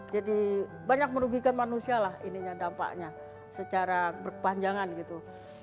jadi banyak merugikan manusia lah ini dampaknya secara berpanjangan gitu